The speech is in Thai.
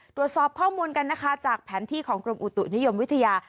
ตรวจสอบข้อมูลกันนะคะจากแผนที่ของกรมอุตุนิยมวิทยา